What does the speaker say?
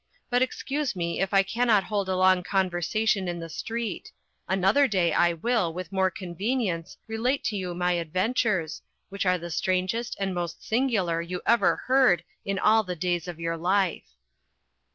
But excuse me, if I cannot hold a long conversation in the street; another day I will, with more convenience, relate to you my adventures, which are the strangest and most singular you ever heard in all the days of your life."